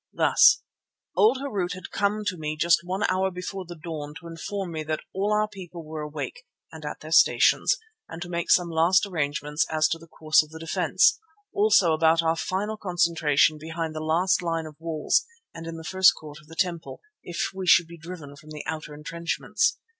Thus: Old Harût had come to me just one hour before the dawn to inform me that all our people were awake and at their stations, and to make some last arrangements as to the course of the defence, also about our final concentration behind the last line of walls and in the first court of the temple, if we should be driven from the outer entrenchments.